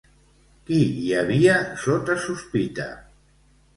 Qui hi havia sota sospita?